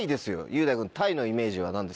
雄大君タイのイメージは何ですか？